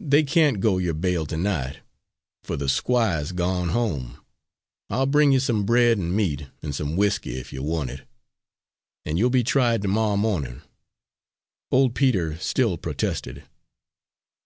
"They can't go yo' bail to night, fer the squire's gone home. I'll bring you some bread and meat, an' some whiskey if you want it, and you'll be tried to morrow mornin'." Old Peter still protested.